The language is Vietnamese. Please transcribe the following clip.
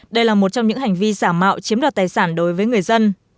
đây là một trong những hành vi giả mạo chiếm đoạt tài sản đối với người dân